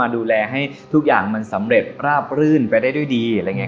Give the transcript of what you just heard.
ดูแลให้สำเร็จร่าบรื่นไปได้ด้วยดี